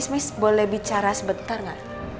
mis boleh bicara sebentar gak